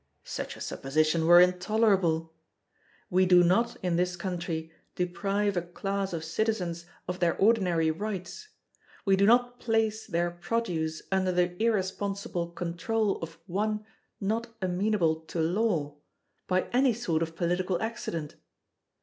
Such a supposition were intolerable! We do not in this country deprive a class of citizens of their ordinary rights, we do not place their produce under the irresponsible control of one not amenable to Law, by any sort of political accident!